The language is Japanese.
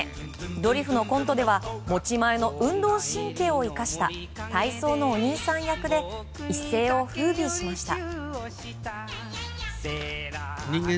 ドリフのコントでは持ち前の運動神経を生かした体操のお兄さん役で一世を風靡しました。